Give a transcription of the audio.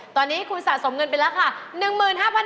ตอนนี้คุณสะสมเงินเป็นราคา๑๕๐๐๐บาท